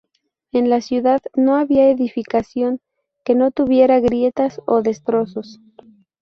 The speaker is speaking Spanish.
En la ciudad, no había edificación que no tuviera grietas o destrozos.